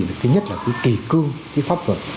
cái nhất là cái kỳ cư cái pháp vật